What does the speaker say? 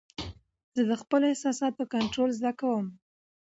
زه د خپلو احساساتو کنټرول زده کوم.